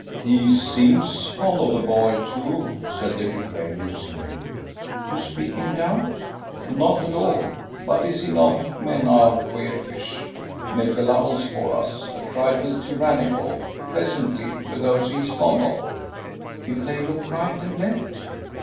"He seems fond of the boy, too," said De Craye, musingly. "You speak in doubt?" "Not at all. But is he not men are queer fish! make allowance for us a trifle tyrannical, pleasantly, with those he is fond of?" "If they look right and left?"